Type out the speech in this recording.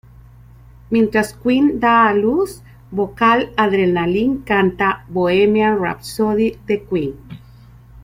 Mientras Quinn da a luz, Vocal Adrenaline canta "Bohemian Rhapsody" de Queen.